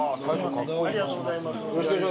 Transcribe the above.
ありがとうございます。